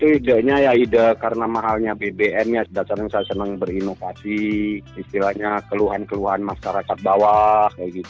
ide ide karena mahalnya bbm saya senang berimokasi istilahnya keluhan keluhan masyarakat bawah